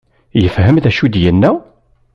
Yefhem d acu i d-yenna?